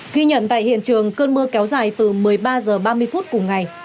ghi nhận tại hiện trường cơn mưa kéo dài từ một mươi ba h ba mươi phút cùng ngày